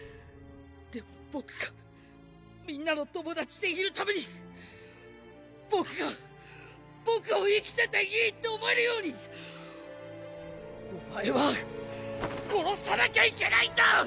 でも僕がみんなの友達でいるために僕が僕を生きてていいって思えるようにお前は殺さなきゃいけないんだ！